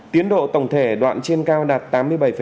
tiến độ tổng thể đoạn trên cao đạt tám mươi bảy tám mươi năm